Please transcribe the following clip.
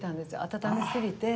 温めすぎて。